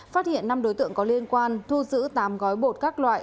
phát hiện năm đối tượng có liên quan thu giữ tám gói bột các loại